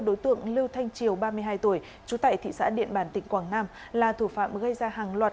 đối tượng lưu thanh triều ba mươi hai tuổi trú tại thị xã điện bàn tỉnh quảng nam là thủ phạm gây ra hàng loạt